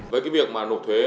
với cái việc mà nộp thuế